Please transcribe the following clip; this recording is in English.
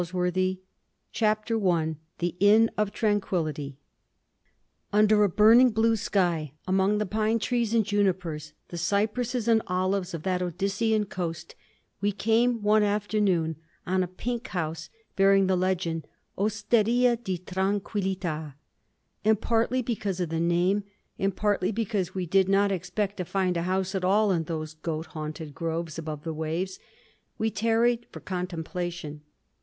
—ANATOLE FRANCE CONCERNING LIFE THE INN OF TRANQUILLITY Under a burning blue sky, among the pine trees and junipers, the cypresses and olives of that Odyssean coast, we came one afternoon on a pink house bearing the legend: "Osteria di Tranquillita,"; and, partly because of the name, and partly because we did not expect to find a house at all in those goat haunted groves above the waves, we tarried for contemplation.